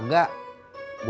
gak apa apa be